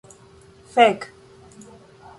Fek.